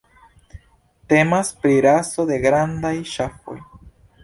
Temas pri raso de grandaj ŝafoj.